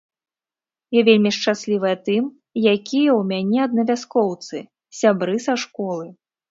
Я вельмі шчаслівая тым, якія ў мяне аднавяскоўцы, сябры са школы.